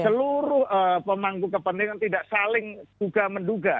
seluruh pemangku kepentingan tidak saling duga menduga